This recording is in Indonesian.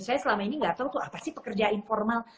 saya selama ini nggak tahu tuh apa sih pekerja informal